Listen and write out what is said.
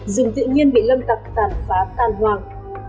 rừng tự nhiên bị lâm tập tàn phá tàn hoàng